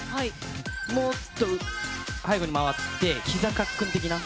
もっと背後に回ってひざかっくん的な。